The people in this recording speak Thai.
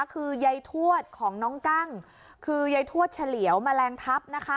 คือยายทวดของน้องกั้งคือยายทวดเฉลี่ยวแมลงทัพนะคะ